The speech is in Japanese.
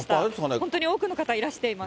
本当に多くの方、いらしてます。